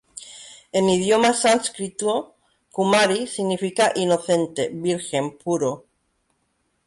En idioma sánscrito, "kumari" significa "inocente, virgen, puro".